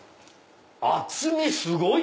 厚みすごい！